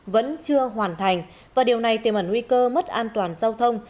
vẫn chưa hoàn thành và điều này tiềm ẩn nguy cơ mất an toàn giao thông